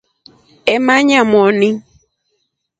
Eemanya moni.